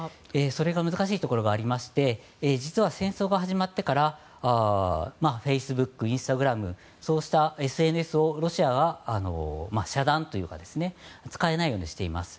それが難しいところがありまして実は戦争が始まってからフェイスブック、インスタグラムそうしたＳＮＳをロシアは遮断というか使えないようにしています。